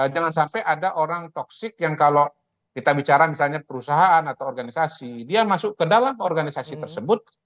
jangan sampai ada orang toxic yang kalau kita bicara misalnya perusahaan atau organisasi dia masuk ke dalam organisasi tersebut